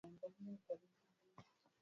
ufugaji wa nyoka kuuza nyama ya mbwa na fisi